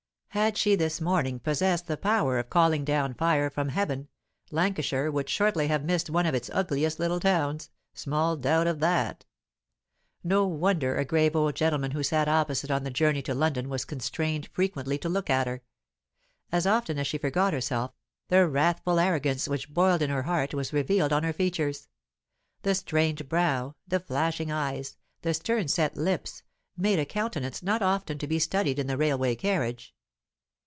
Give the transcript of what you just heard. Had she this morning possessed the power of calling down fire from heaven, Lancashire would shortly have missed one of its ugliest little towns; small doubt of that. No wonder a grave old gentleman who sat opposite on the journey to London was constrained frequently to look at her. As often as she forgot herself, the wrathful arrogance which boiled in her heart was revealed on her features; the strained brow, the flashing eyes, the stern set lips, made a countenance not often to be studied in the railway carriage.